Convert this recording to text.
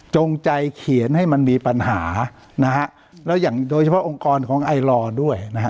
จงใจเขียนให้มันมีปัญหานะฮะแล้วอย่างโดยเฉพาะองค์กรของไอลอร์ด้วยนะฮะ